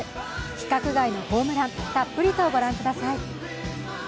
規格外のホームラン、たっぷりとご覧ください。